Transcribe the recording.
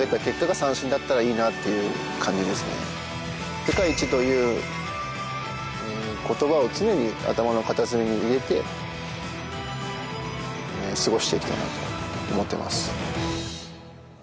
世界一という言葉を常に頭の片隅に入れて過ごしていきたいなと思っています。